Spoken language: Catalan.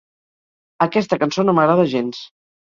Aquesta cançó no m'agrada gens.